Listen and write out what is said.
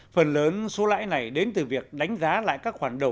phần lớn số lãi này đến từ việc đánh giá lại các khoản đầu